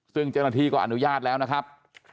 ซึ่งเจรถีก็อนุญาตแล้วนะครับ